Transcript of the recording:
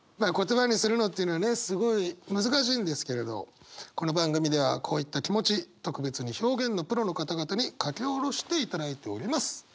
言葉にするのっていうのはねすごい難しいんですけれどこの番組ではこういった気持ち特別に表現のプロの方々に書き下ろしていただいております。